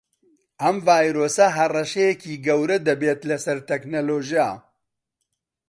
ئەم ڤایرۆسە هەڕەشەیەکی گەورە دەبێت لەسەر تەکنەلۆژیا